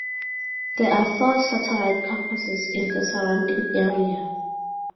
There are four satellite campuses in the surrounding area.